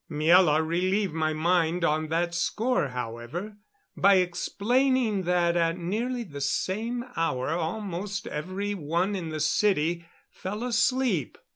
Miela relieved my mind on that score, however, by explaining that at nearly the same hour almost every one in the city fell asleep.